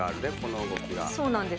そうなんです。